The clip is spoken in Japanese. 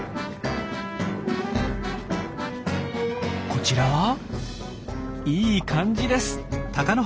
こちらはいい感じです。